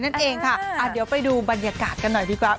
นั่นเองค่ะเดี๋ยวไปดูบรรยากาศกันหน่อยดีกว่า